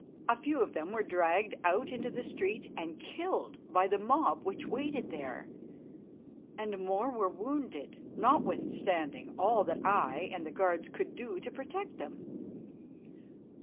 A few of them were dragged out into the street and killed by the mob which waited there, and more were wounded, notwithstanding all that I and the guards could do to protect them.